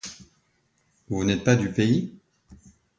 Vous n’êtes pas du pays?